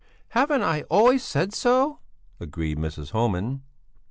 "Haven't I always said so?" agreed Mrs. Homan.